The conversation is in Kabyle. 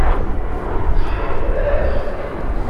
Teqseḥ lhedra-s.